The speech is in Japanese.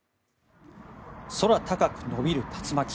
空高く延びる竜巻。